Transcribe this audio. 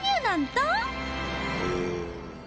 なんと！